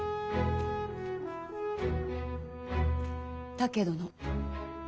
竹殿。